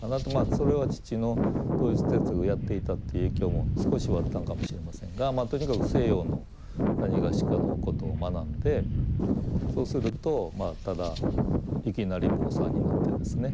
それは父のドイツ哲学をやっていたっていう影響も少しはあったんかもしれませんがとにかく西洋のなにがしかのことを学んでそうするとただいきなり坊さんになってですね